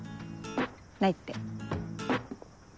ないって。